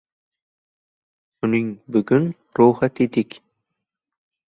Uning bugun ruhi tetik.